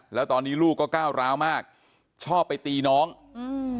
แล้วตอนนี้ลูกก็ก้าวร้าวมากชอบไปตีน้องอืม